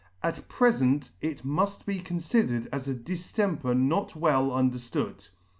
At prefent it muff be confidered as a diflemper not well underftood.